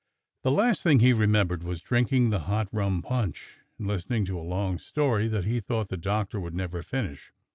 The last thing he re membered was drinking the hot rum punch and listen ing to a long story that he thought the Doctor would never finish.